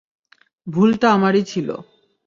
ভুলটা আমারই ছিল।